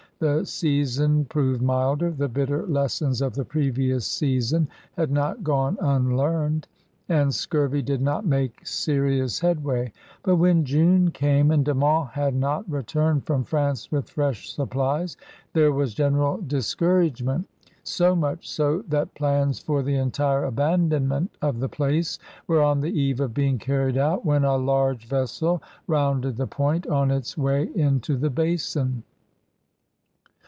The season proved milder, the bitter lessons of the previous season had not gone unlearned, and scurvy did not make serious headway. But when June came and De Monts had not returned from France with fresh supplies, there was general discouragement; so much so that plans for the entire abandonment of the place were on the eve of being carried out when a large vessel rounded the point on its way into the Basin.